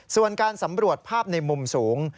ส่วนการสำรวจภาพในมุมสูง